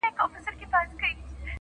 وېشونکی اوبه راکاږي.